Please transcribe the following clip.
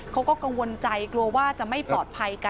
เขาก็กังวลใจกลัวว่าจะไม่ปลอดภัยกัน